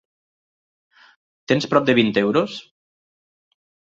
Tens prop de vint euros?